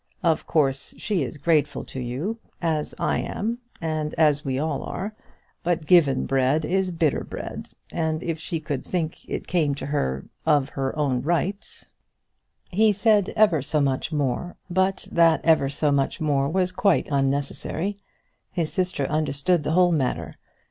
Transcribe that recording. "Of course, she is grateful to you, as I am, and as we all are. But given bread is bitter bread, and if she could think it came to her, of her own right " He said ever so much more, but that ever so much more was quite unnecessary. His sister understood the whole matter.